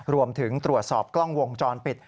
รวมถึงตรวจสอบกล้องวงจรปิด